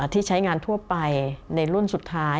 ที่ใช้งานทั่วไปในรุ่นสุดท้าย